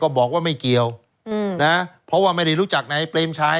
บอกว่าไม่เกี่ยวนะเพราะว่าไม่ได้รู้จักนายเปรมชัย